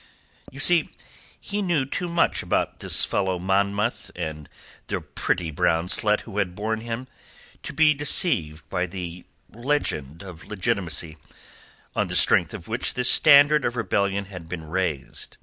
You see, he knew too much about this fellow Monmouth and the pretty brown slut who had borne him, to be deceived by the legend of legitimacy, on the strength of which this standard of rebellion had been raised.